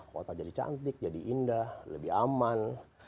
kota jadi cantik jadi indah lebih aman